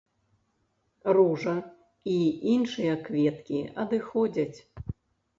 Ружа і іншыя кветкі адыходзяць.